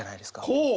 ほう！